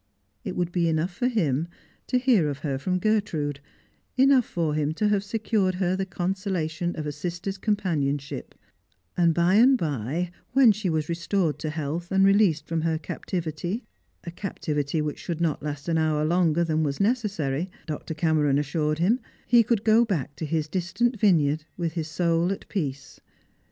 It would be enough for hira to hear of her from Gertrude; enough for him to have secured her the consolation of a sister's companionship ; and by and by, when she was restored to health and released from her captivity — a captivity which should not last an hour longer than was neces sary, Dr. Cameron assured him — he could go back to his distant vineyard, with his soul at peace.